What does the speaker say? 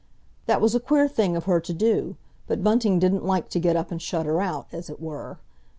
That was a queer thing of her to do, but Bunting didn't like to get up and shut her out, as it were.